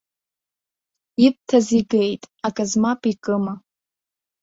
Ирҭаз игеит, аказ мап икыма.